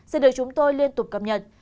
sẽ được chúng tôi liên tục cập nhật